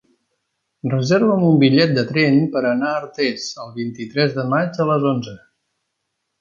Reserva'm un bitllet de tren per anar a Artés el vint-i-tres de maig a les onze.